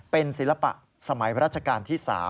เป็นศิลปะสมัยราชการที่๓